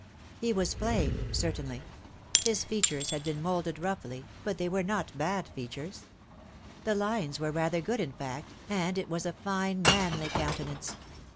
He was plain, certainly. His features had been moulded roughly, but they were not bad features. The lines were rather good, in fact, and it was a fine manly countenance.